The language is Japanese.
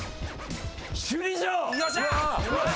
首里城！